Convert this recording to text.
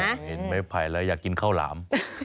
เห็นไม้ไผ่แล้วอยากกินข้าวหลาม